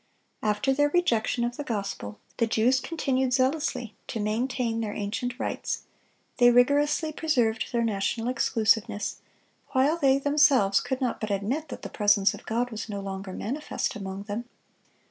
After their rejection of the gospel, the Jews continued zealously to maintain their ancient rites, they rigorously preserved their national exclusiveness, while they themselves could not but admit that the presence of God was no longer manifest among them.